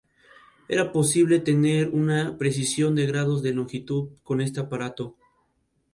Tuvo dos configuraciones: normal y largo.